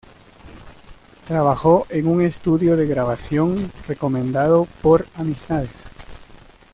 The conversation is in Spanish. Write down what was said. Trabajó en un estudio de grabación recomendado por amistades.